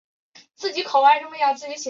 该文物保护单位由磐石市宗教局管理。